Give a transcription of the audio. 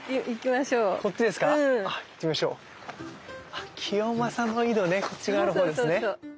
あっ清正の井戸ねこっち側のほうですね。